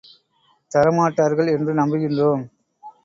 தரமாட்டார்கள் என்று நம்புகின்றோம்!